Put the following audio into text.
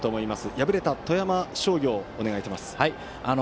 敗れた富山商業にお願いします。